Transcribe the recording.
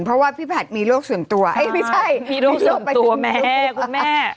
เพราะว่าพี่ผัดมีโรคส่วนตัวไม่ใช่มีโรคประจำตัวแม่คุณแม่